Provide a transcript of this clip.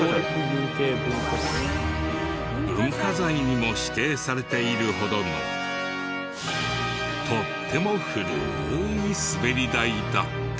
文化財にも指定されているほどのとっても古いスベリ台だった。